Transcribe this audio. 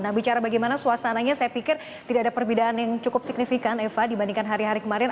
nah bicara bagaimana suasananya saya pikir tidak ada perbedaan yang cukup signifikan eva dibandingkan hari hari kemarin